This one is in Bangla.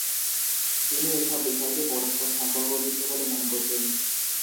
তিনি এসব বিষয়কে পরস্পর সম্পর্কযুক্ত বলে মনে করতেন।